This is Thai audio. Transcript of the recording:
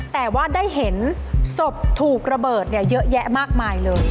แต่ว่าได้เห็นศพถูกระเบิดเยอะแยะมากมายเลย